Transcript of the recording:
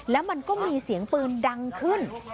แล้วมันก็มีเสียงปืนดังขึ้น